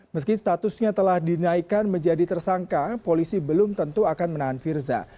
meski statusnya telah dinaikkan menjadi tersangka polisi belum tentu akan menahan firza